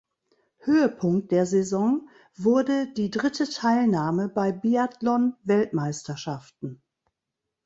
Höhepunkt der Saison wurde die dritte Teilnahme bei Biathlon-Weltmeisterschaften.